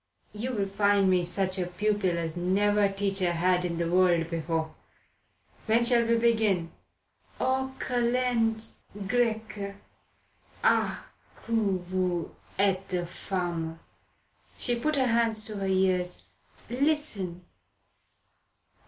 "You'll find me such a pupil as never teacher had in the world before. When shall we begin?" "Aux Kalendes Grecques." "Ah que vous etes femme!" She put her hands to her ears. "Listen.